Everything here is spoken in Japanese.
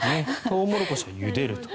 トウモロコシはゆでると。